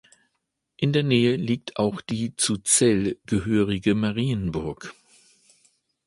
In der Nähe liegt auch die zu Zell gehörige Marienburg.